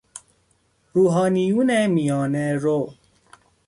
روحانیون میانه رو